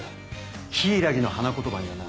「柊」の花言葉にはな